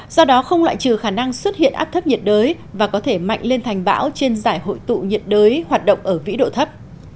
do đó không loại trừ khả năng xuất hiện áp thấp nhiệt đới và có thể mạnh lên thành bão trên giải hội tụ nhiệt đới hoạt động ở vĩ độ thấp